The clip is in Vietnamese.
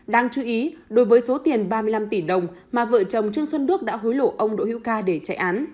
đáng chú ý đối với số tiền ba mươi năm tỷ đồng mà vợ chồng trương xuân đức đã hối lộ ông đỗ hữu ca để chạy án